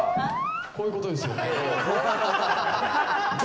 こういうことですよね。